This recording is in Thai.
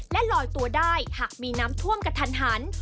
และลอยตัวได้หากมีน้ำท่วมกระทันหัน